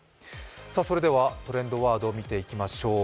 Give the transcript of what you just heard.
それではトレンドワード、見ていきましょう。